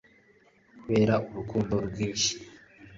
kubera ko urukundo rwinshi